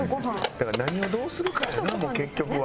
だから何をどうするかやなもう結局は。